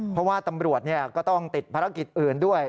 เพราะว่าตำรวจก็ต้องติดภารกิจอื่นด้วย